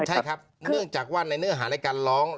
ใช่ครับเนื่องจากว่าในเนื้อหาในการร้อง